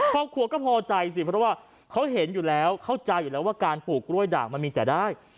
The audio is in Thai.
ครอบครัวก็พอใจสิเพราะว่าเขาเห็นอยู่แล้วเข้าใจอยู่แล้วว่าการปลูกกล้วยด่างมันมีแต่ได้